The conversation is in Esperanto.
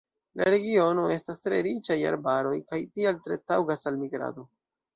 La regiono estas tre riĉa je arbaroj kaj tial tre taŭgas al migrado.